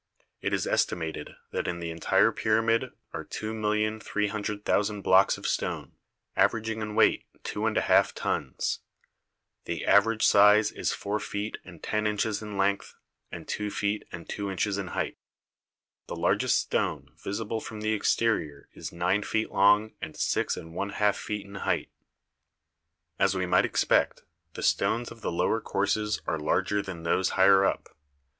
It is estimated that in the entire pyramid are 2,300, ooo blocks of stone, averaging in weight two and a half tons; the average size is four feet and ten inches in length and two feet and two inches in height; the largest stone visible from the exterior is nine feet long and six and one half feet in height. As we might expect, the stones of the lower courses are larger than those higher up.